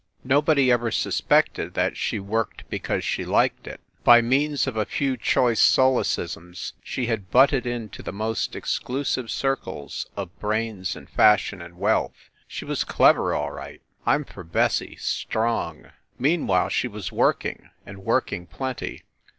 Nobody ever suspected that she worked because she liked it. By means of a few THE REPORTER OF "THE ITEM." 109 choice solecisms she had butted into the most exclu sive circles of brains and fashion and wealth. She was clever, all right. I m for Bessie, strong ! Meanwhile she was working, and working plenty.